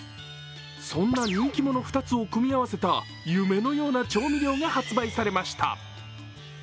そんな人気物２つを組み合わせた夢のような調味料が発売されました。